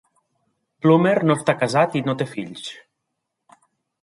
Plummer no està casat i no té fills.